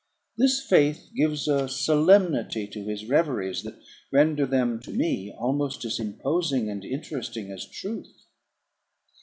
This faith gives a solemnity to his reveries that render them to me almost as imposing and interesting as truth.